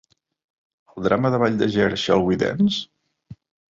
El drama de ball de Gere, "Shall We Dance?"